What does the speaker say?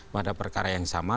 pada perkara yang sama